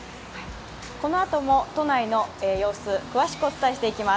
このあとも都内の様子、詳しくお伝えしていきます。